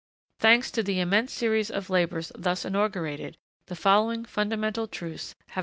Thanks to the immense series of labors thus inaugurated, the following fundamental truths have been established.